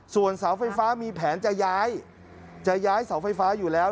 ส่วนเสาไฟฟ้ามีแผนจะย้ายจะย้ายเสาไฟฟ้าอยู่แล้ว